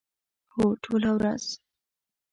هو، ټوله ورځ